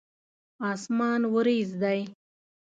اسمان وريځ دی.